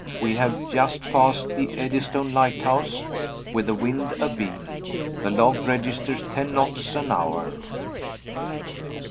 We have just passed the Eddystone Lighthouse, with the wind abeam. The log registers ten knots an hour.